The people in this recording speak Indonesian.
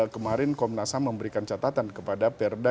kemarin komnasam memberikan catatan kepada perda